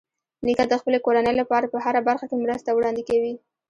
نیکه د خپلې کورنۍ لپاره په هره برخه کې مرستې وړاندې کوي.